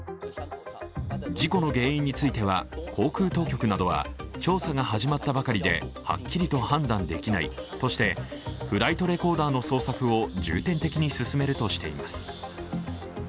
事故の原因については、航空当局などは調査が始まったばかりではっきりと判断できないとしてフライトレコーダーの捜索を重点的に進めるとしています。